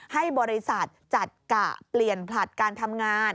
ให้บริษัทจัดกะเปลี่ยนผลัดการทำงาน